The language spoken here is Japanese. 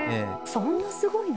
そんなすごいの？